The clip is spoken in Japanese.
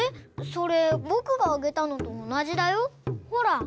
それぼくがあげたのとおなじだよ。ほら。